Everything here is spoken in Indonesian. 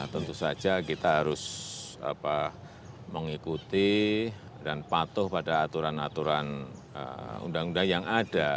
tentu saja kita harus mengikuti dan patuh pada aturan aturan undang undang yang ada